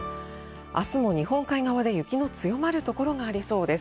明日も日本海側で雪の強まる所がありそうです。